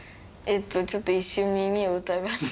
ちょっと一瞬耳を疑いました。